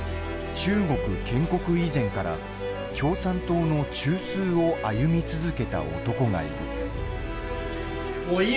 中国建国以前から共産党の中枢を歩み続けた男がいる。